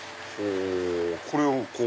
これをこう。